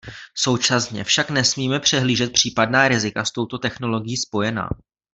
Současně však nesmíme přehlížet případná rizika s touto technologií spojená.